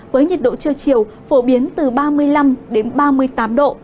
với nhiệt độ trưa chiều phổ biến từ ba mươi năm đến ba mươi tám độ